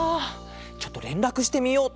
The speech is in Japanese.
ちょっとれんらくしてみよう。